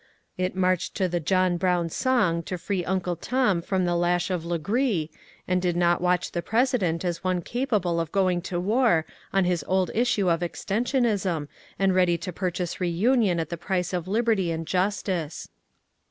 It marched to the John Brown song to free Uncle Tom from the lash of Legree, and did not watch the President as one capable of going to war on his old issue of ^^ extensionism " and ready to purchase reunion at the price of liberty and justice.